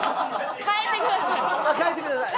変えてください！